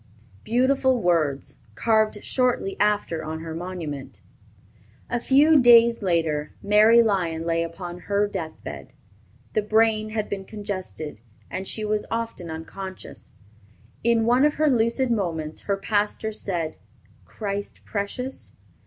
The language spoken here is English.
Beautiful words! carved shortly after on her monument. A few days later, Mary Lyon lay upon her death bed. The brain had been congested, and she was often unconscious. In one of her lucid moments, her pastor said, "Christ precious?"